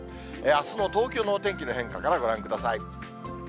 あすの東京のお天気の変化からご覧ください。